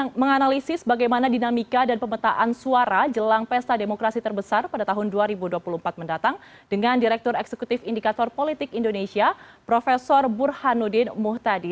kita akan menganalisis bagaimana dinamika dan pemetaan suara jelang pesta demokrasi terbesar pada tahun dua ribu dua puluh empat mendatang dengan direktur eksekutif indikator politik indonesia prof burhanuddin muhtadi